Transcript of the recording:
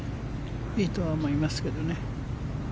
いいとは思いますけどね。